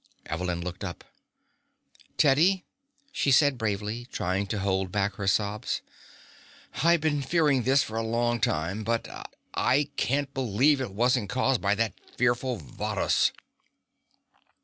Evelyn looked up. "Teddy," she said bravely, trying to hold back her sobs, "I've been fearing this for a long time, but I can't believe it wasn't caused by that fearful Varrhus."